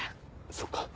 そっか。